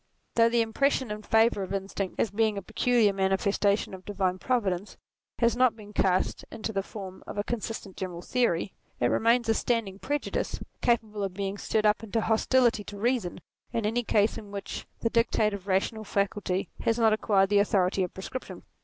Though the impression in favour of instinct as being a peculiar manifestation of the divine purposes, has not been cast into the form of a consistent general theory, it remains a standing prejudice, capable of being stirred up into hostility to reason in any case in which the dictate of the rational faculty has not acquired the authority of prescription.